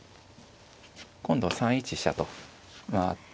今度は３一飛車と回って。